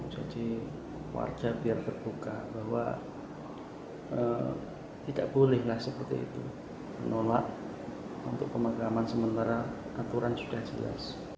jadi warga biar terbuka bahwa tidak bolehlah seperti itu menolak untuk pemakaman sementara aturan sudah jelas